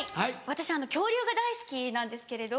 私恐竜が大好きなんですけれど。